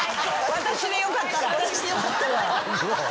私でよかったら。